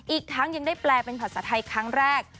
อีกทั้งยังได้แปลเป็นภาษาไทยครั้งแรก